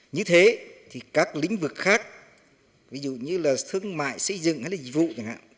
như thế thì các lĩnh vực khác ví dụ như là thương mại xây dựng hay là dịch vụ chẳng hạn